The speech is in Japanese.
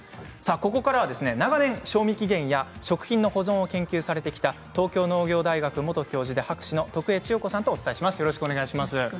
ここからは長年賞味期限や食品の保存を研究してきた東京農業大学元教授で博士の徳江千代子さんとお伝えします。